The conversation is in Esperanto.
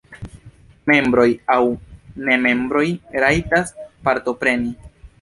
Membroj aŭ nemembroj rajtas partopreni.